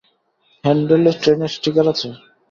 হ্যান্ডেলে ট্রেনের স্টিকার আছে?